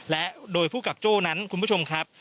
และโดยผู้กับโจ้นั้นคุณผู้ชมครับ